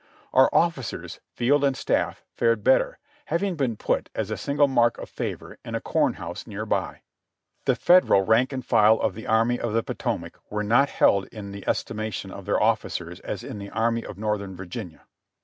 Our officers, field and staff, fared better, having been put, as a signal mark of favor, in a corn house near by. The Federal rank and file of the x\rmy of the Potomac were not held in the estimation of their officers as in the Arm}^ of Northern Virginia.